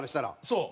そう。